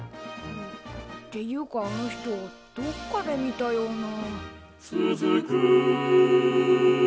っていうかあの人どっかで見たような。